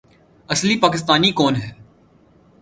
اصلی پاکستانی کون ہے